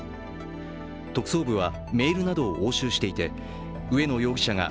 特捜部はメールなどを押収していて、植野容疑者が